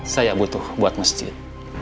saya butuh buat masjid